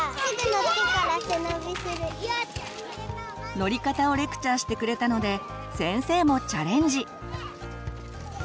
乗り方をレクチャーしてくれたので先生もチャレンジ。